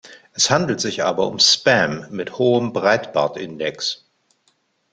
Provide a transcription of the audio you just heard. Es handelt sich aber um Spam mit hohem Breidbart-Index.